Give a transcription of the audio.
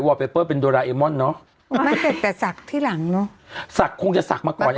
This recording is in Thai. วอลเปเปอร์เป็นโดราเอมอนเนอะสักคงจะสักมาก่อน